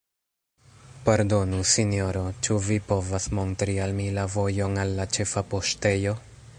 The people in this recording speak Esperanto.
Pardonu, Sinjoro, ĉu vi povas montri al mi la vojon al la ĉefa poŝtejo?